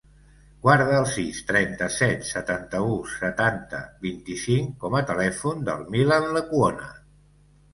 Guarda el sis, trenta-set, setanta-u, setanta, vint-i-cinc com a telèfon del Milan Lecuona.